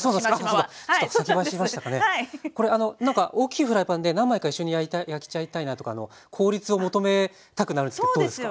なんか大きいフライパンで何枚か一緒に焼いちゃいたいなとか効率を求めたくなるんですけどどうですか？